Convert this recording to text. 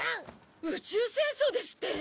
宇宙戦争ですって！？